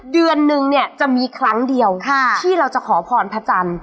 เดือนนึงเนี่ยจะมีครั้งเดียวที่เราจะขอพรพระจันทร์